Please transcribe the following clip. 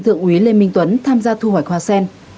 thượng úy lê minh tuấn tham gia thu hoạch hoa sen